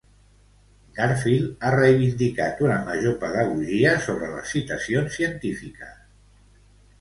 Garfield ha reivindicat una major pedagogia sobre les citacions científiques.